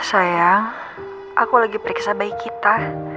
sayang aku lagi periksa bayi kita